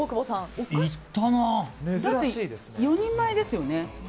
だって、４人前ですよね。